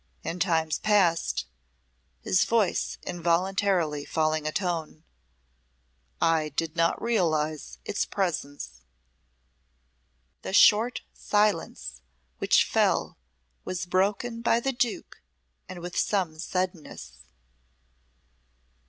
In times past" his voice involuntarily falling a tone "I did not realise its presence." The short silence which fell was broken by the Duke and with some suddenness.